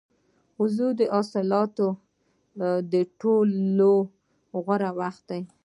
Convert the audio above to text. وږی د حاصلاتو د ټولولو غوره وخت دی.